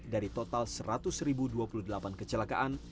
dari total seratus dua puluh delapan kecelakaan